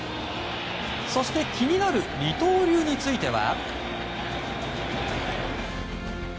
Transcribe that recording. そして気になる二刀流については。